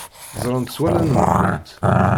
Ẓremt s wallen-nkent.